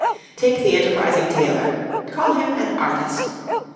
Take the enterprising tailor call him an artist.